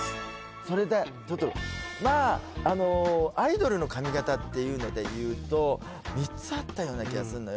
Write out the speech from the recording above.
それでちょっとまああのアイドルの髪形っていうのでいうと３つあったような気がするのよ